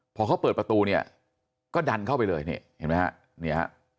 พอเค้าเปิดประตูเนี่ยก็ดันเข้าไปเลยนี่เห็นมั้ยฮะ